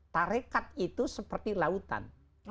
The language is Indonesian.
tarikat itu seperti lautan